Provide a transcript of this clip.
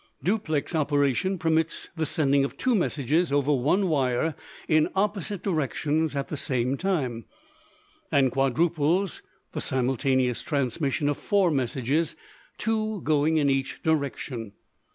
Duplex operation permits of the sending of two messages over one wire in opposite directions at the same time; and quadruples, the simultaneous transmission of four messages, two going in each direction.